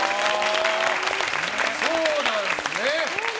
そうなんですね。